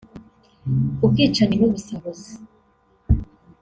ubwicanyi n’ubusahuzi